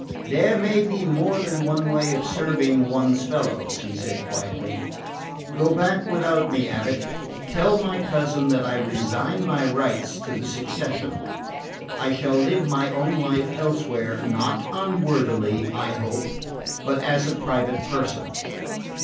"There may be more than one way of serving one's fellows," he said quietly. "Go back without me, abate. Tell my cousin that I resign my rights to the succession. I shall live my own life elsewhere, not unworthily, I hope, but as a private person."